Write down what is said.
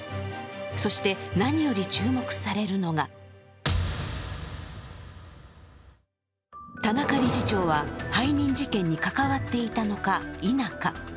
そして何より注目されるのが田中理事長は背任事件に関わっていたのか、否か。